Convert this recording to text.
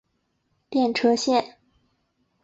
电车线。